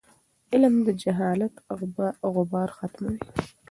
علم د جهالت غبار ختموي.